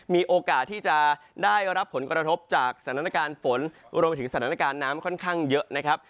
มีโอกาสที่จะได้รับผลกระทบจากสถานการณ์ฝนรวมไปถึงสถานการณ์น้ำค่อนข้างเยอะนะครับ